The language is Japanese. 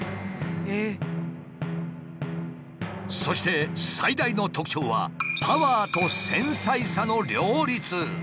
そして最大の特徴はパワーと繊細さの両立。